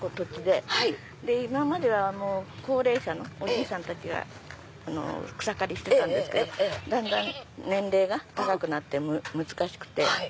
今まで高齢者のおじいさんたちが草刈りしてたんですけどだんだん年齢が高くなって難しくて。